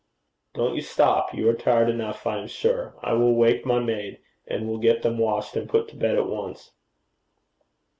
'Don't you stop. You are tired enough, I am sure. I will wake my maid, and we'll get them washed and put to bed at once.'